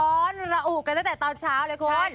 ร้อนระอุกันตั้งแต่ตอนเช้าเลยคุณ